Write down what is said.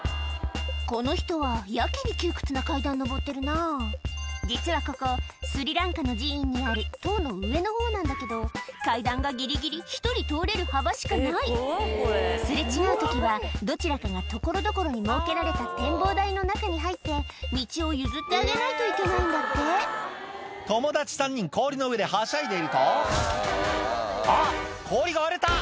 この人はやけに窮屈な階段上ってるな実はここスリランカの寺院にある塔の上の方なんだけど階段がギリギリ１人通れる幅しかないすれ違う時はどちらかが所々に設けられた展望台の中に入って道を譲ってあげないといけないんだって友達３人氷の上ではしゃいでいるとあっ氷が割れた！